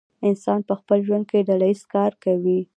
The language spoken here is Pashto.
انسان په خپل ژوند کې ډله ایز کار کوي.